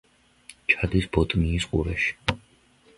ჩადის ბოტნიის ყურეში.